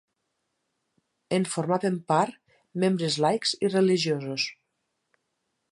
En formaven part membres laics i religiosos.